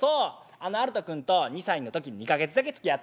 あのアルト君と２歳の時２か月だけつきあっててん。